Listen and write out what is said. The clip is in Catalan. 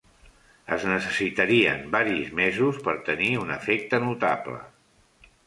Es necessitarien varis mesos per tenir un efecte notable.